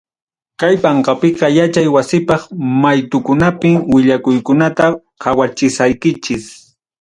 Kay panqapiqa yachay wasipaq maytukunapim willakuykunata qawachichkaykichik.